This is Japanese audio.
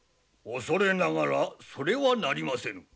恐れながらそれはなりませぬ。